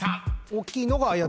おっきいのがだ